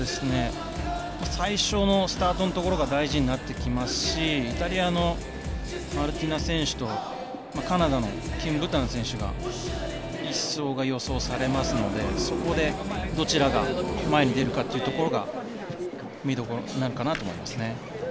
最初のスタートのところが大事になってきますしイタリアのマルティナ選手とカナダのキム・ブタン選手の１走が予想されますのでそこでどちらが前に出るかが見どころになるかなと思いますね。